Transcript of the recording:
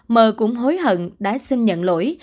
m cũng hối hận đã xin nhận lỗi